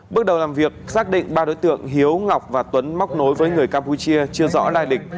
bước đầu làm việc xác định ba đối tượng hiếu ngọc và tuấn móc nối với người campuchia chưa rõ lai lịch